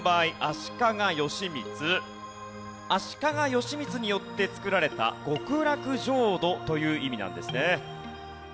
「足利義満によってつくられた極楽浄土」という意味なんですね。